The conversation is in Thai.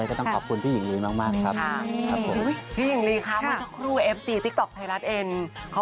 สวัสดีค่ะ